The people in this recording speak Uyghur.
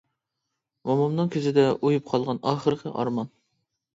مومامنىڭ كۆزىدە ئۇيۇپ قالغان ئاخىرقى ئارمان.